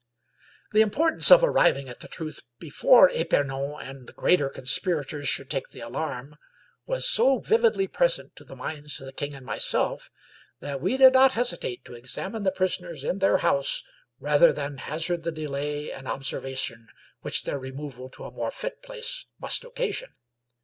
The importance of arriving at the truth before Epemon and the greater conspirators should take the alarm was so vividly present to the minds of the king and myself, that we did not hesitate to examine the prisoners in their house, rather than hazard the delay and observation which their removal to a more fit place must occasion.